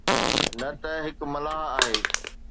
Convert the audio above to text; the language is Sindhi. نه ته هڪ ملاح آهي.